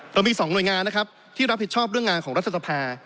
เรามี๒หน่วยงานนะครับที่รับผิดชอบเรื่องงานของรัฐสภา